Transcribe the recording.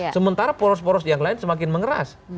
sementara poros poros yang lain semakin mengeras